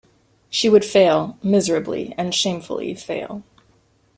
She would fail, miserably and shamefully fail.